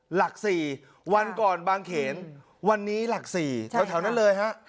หลัก๔วันก่อนบางเขนวันนี้หลัก๔แถวนั้นเลยฮะ